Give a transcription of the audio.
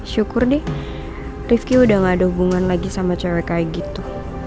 syukur deh rifki udah gak ada hubungan lagi sama cewek kayak gitu